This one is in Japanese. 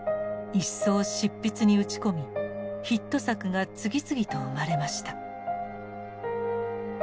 一層執筆に打ち込みヒット作が次々と生まれました。